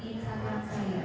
di instagram ya